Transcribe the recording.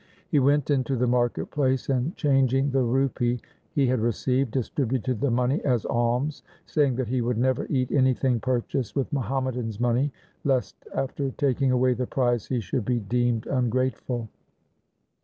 He went into the market place, and changing the rupee he had received, distributed the money as alms, say ing that he would never eat anything purchased with Muhammadans* money, lest after taking away the prize he should be deemed ungrateful.